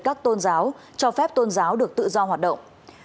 các tôn giáo cho phép tôn giáo được tự do hoạt động